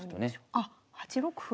あっ８六歩。